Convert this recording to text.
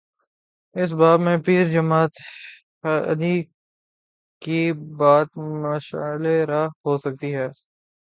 اس باب میں پیر جماعت علی کی بات مشعل راہ ہو سکتی ہے۔